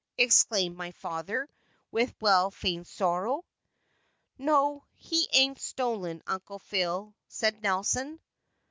exclaimed my father, with well feigned sorrow. "No, he ain't stolen, Uncle Phile," said Nelson.